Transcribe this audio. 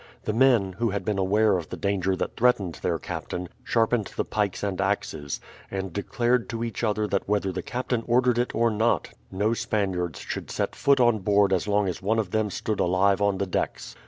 The men, who had been aware of the danger that threatened their captain, sharpened the pikes and axes, and declared to each other that whether the captain ordered it or not no Spaniards should set foot on board as long as one of them stood alive on the decks.